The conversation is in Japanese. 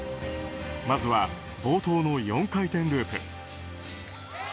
まずは冒頭の４回転ループ。